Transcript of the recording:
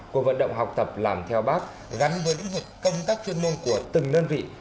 của vận động học tập làm theo bác gắn với những việc công tác chuyên môn của từng nhân vị